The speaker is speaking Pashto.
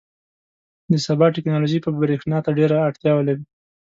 • د سبا ټیکنالوژي به برېښنا ته ډېره اړتیا ولري.